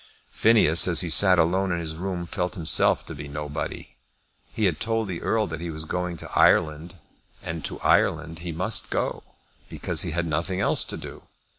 Phineas, as he sat alone in his room, felt himself to be nobody. He had told the Earl that he was going to Ireland, and to Ireland he must go; because he had nothing else to do.